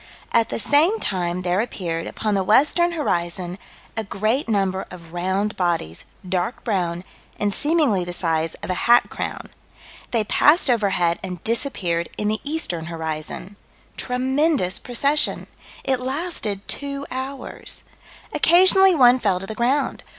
At the same time there appeared, upon the western horizon, a great number of round bodies, dark brown, and seemingly the size of a hat crown. They passed overhead and disappeared in the eastern horizon. Tremendous procession. It lasted two hours. Occasionally one fell to the ground.